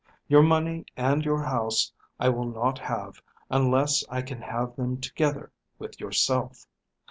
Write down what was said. Your money and your house I will not have unless I can have them together with yourself.